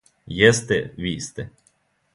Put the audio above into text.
Јесте, ви сте!